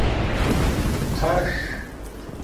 خَݽ